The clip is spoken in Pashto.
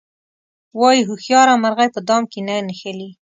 وایي هوښیاره مرغۍ په دام کې نه نښلي.